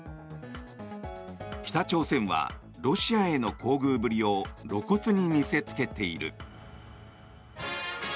北朝鮮はロシアへの厚遇ぶりを露骨に見せつけている。